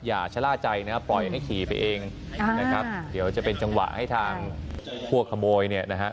อย่าชะล่าใจนะครับปล่อยให้ขี่ไปเองนะครับเดี๋ยวจะเป็นจังหวะให้ทางพวกขโมยเนี่ยนะฮะ